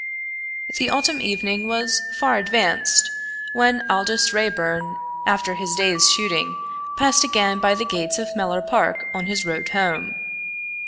The autumn evening was far advanced when Aldous Raeburn, after his day's shooting, passed again by the gates of Mellor Park on his road home.